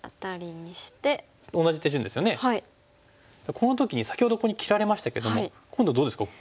この時に先ほどここに切られましたけども今度どうですかここ。